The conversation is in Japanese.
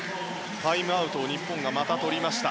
タイムアウトを日本がまたとりました。